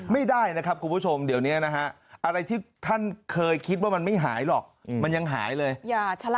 ไม่ได้นะครับคุณผู้ชมเดี๋ยวนี้นะฮะอะไรที่ท่านเคยคิดว่ามันไม่หายหรอกมันยังหายเลย